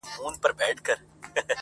همېشه به بېرېدى له جنرالانو،